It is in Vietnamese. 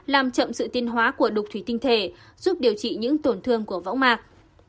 làm chậm sự tiên hóa của đục thủy tinh thể giúp điều trị những tổn thương của võng mạc